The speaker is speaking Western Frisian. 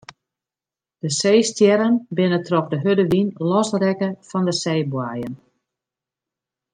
De seestjerren binne troch de hurde wyn losrekke fan de seeboaiem.